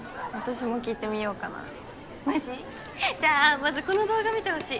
じゃあまずこの動画見てほしい！